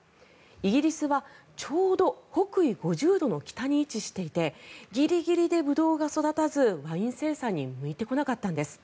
イギリスは、ちょうど北緯５０度の北に位置していてギリギリでブドウが育たずワイン生産に向いてこなかったんです。